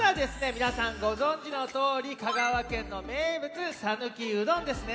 みなさんごぞんじのとおり香川県の名物さぬきうどんですね。